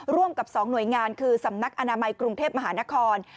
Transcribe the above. ร่วมกับ๒หน่วยงานคือสำนักอนามัยกรุงเทพมหานคร